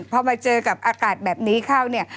พอมาเจอกับอากาศแบบนี้เข้าเนี่ย